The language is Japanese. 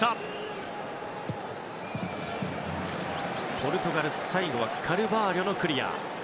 ポルトガル、最後はカルバーリョのクリア。